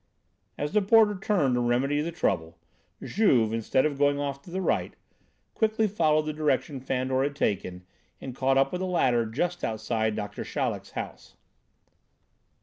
As the porter turned to remedy the trouble, Juve, instead of going off to the right, quickly followed the direction Fandor had taken and caught up with the latter just outside Doctor Chaleck's house.